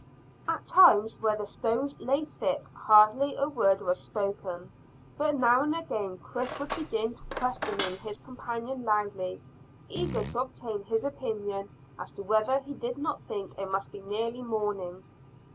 At times, where the stones lay thick, hardly a word was spoken, but now and again Chris would begin questioning his companion loudly, eager to obtain his opinion as to whether he did not think it must be nearly morning.